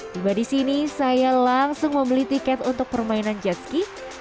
tiba di sini saya langsung membeli tiket untuk permainan jet ski